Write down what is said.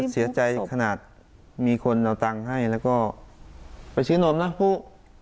เสียใจขนาดมีคนเอาตังค์ให้แล้วก็ไปซื้อนมนะผู้